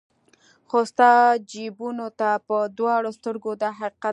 خو ستاسو جیبونو ته په دواړو سترګو دا حقیقت دی.